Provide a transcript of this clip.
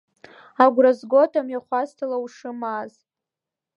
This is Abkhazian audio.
Агәра згоит амҩахәасҭала ушымааз.